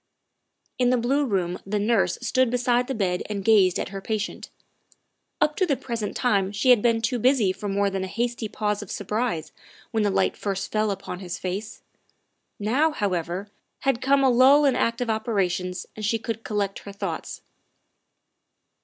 In the blue room the nurse stood beside the bed and gazed at her patient. Up to the present time she had been too busy for more than a hasty pause of surprise when the light first fell upon his face; now, however, had come a lull in active operations and she could collect her thoughts.